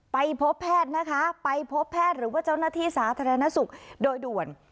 ไปพบแพทย์นะคะไปพบแพทย์หรือว่าเจ้าหน้าที่สาธารณสุขโดยด่วน